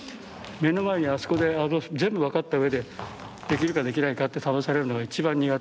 目の前にあそこで全部分かった上でできるかできないかって試されるのが一番苦手で。